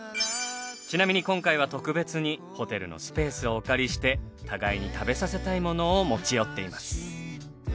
ちなみに今回は特別にホテルのスペースをお借りして互いに食べさせたいものを持ち寄っています。